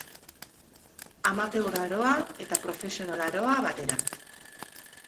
Amateur aroa eta Profesional aroa batera.